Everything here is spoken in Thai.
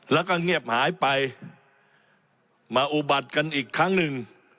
แล้วก็เงียบหายไปมาอุบัติกันอีกครั้งหนึ่ง